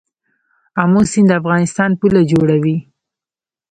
امو سیند د افغانستان پوله جوړوي.